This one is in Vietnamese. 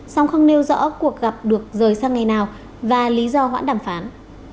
song không nêu rõ cuộc gặp được rời sang ngày nào và lý do hoãn đàm phán